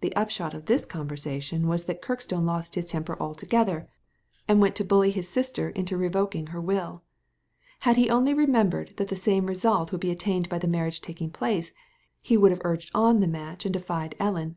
The upshot of this conversation was that Kirkstone lost his temper altogether, and went to bully his Digitized by Google 62 THE LADY FROM NOWHERE sister into revoking her will. Had he only remembered that the same result would be attained by the marriage taking place, he would have urged on the match and defied Ellen.